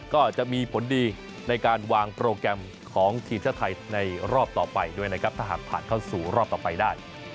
ก็จะมีผลดีในการวางโปรแกรมของทีมชาติไทยในรอบต่อไปด้วยนะครับถ้าหากผ่านเข้าสู่รอบต่อไปได้